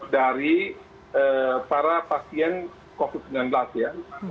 dari para pasien covid sembilan belas ya